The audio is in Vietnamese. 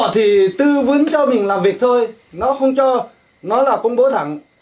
thì tư vấn cho mình làm việc thôi nó không cho nó là công bố thẳng